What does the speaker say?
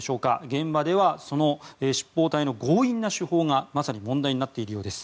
現場ではその執法隊の強引な手法がまさに問題になっているようです。